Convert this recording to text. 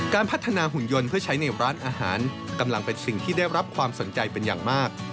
การพัฒนาหุ่นยนต์เพื่อใช้ในร้านอาหารกำลังเป็นสิ่งที่ได้รับความสนใจเป็นอย่างมาก